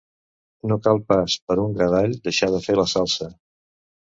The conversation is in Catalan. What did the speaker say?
No cal pas per un gra d'all deixar de fer la salsa.